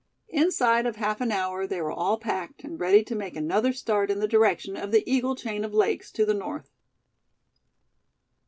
Inside of half an hour they were all packed, and ready to make another start in the direction of the Eagle chain of lakes to the north.